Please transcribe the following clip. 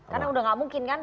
karena sudah tidak mungkin kan